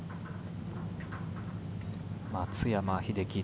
松山英樹